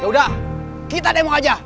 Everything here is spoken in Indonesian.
yaudah kita demo aja